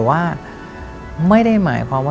อยากทำเพราะ